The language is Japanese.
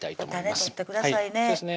種取ってくださいね